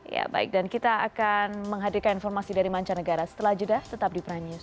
ya baik dan kita akan menghadirkan informasi dari mancanegara setelah jeda tetap di prime news